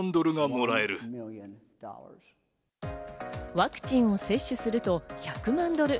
ワクチンを接種すると１００万ドル。